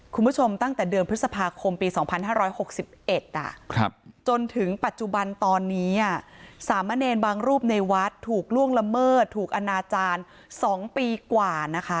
คุณผู้ชมตั้งแต่เดือนพฤษภาคมปี๒๕๖๑จนถึงปัจจุบันตอนนี้สามเณรบางรูปในวัดถูกล่วงละเมิดถูกอนาจารย์๒ปีกว่านะคะ